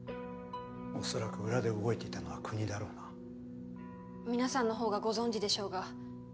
恐らく裏で動いていたのは国だろうな皆さんのほうがご存じでしょうが